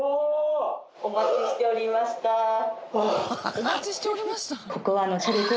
「お待ちしておりました」。